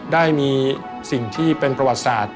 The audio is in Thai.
ได้มีสิ่งที่เป็นประวัติศาสตร์